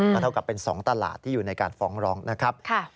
ก็เท่ากับเป็น๒ตลาดที่อยู่ในการฟ้องร้องนะครับ